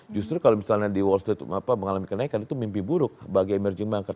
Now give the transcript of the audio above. justru kalau misalnya di wall street mengalami kenaikan itu mimpi buruk bagi emerging market